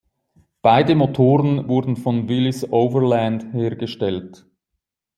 Beide Motoren wurden von Willys-Overland hergestellt.